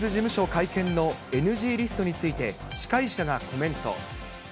会見のＮＧリストについて、司会者がコメント。